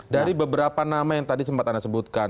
dari beberapa nama yang tadi sempat anda sebutkan